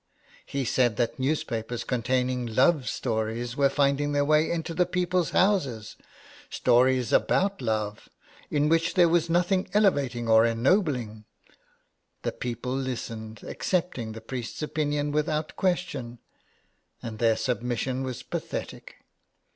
He said that newspapers containing love stories were finding their way into the people's houses, stories about love, in which there was nothing elevating or ennobling. The people listened, accepting the priest's opinion without question. And their submission was pathetic.